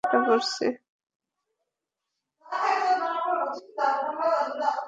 তোমার মনে হচ্ছে আমি ঠাট্টা করছি?